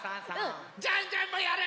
ジャンジャンもやる！